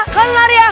kalian lari ya